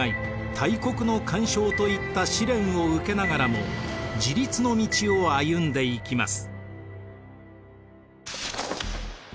大国の干渉といった試練を受けながらも自立の道を歩んでいきます。